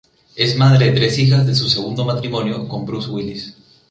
Es madre de tres hijas de su segundo matrimonio con Bruce Willis.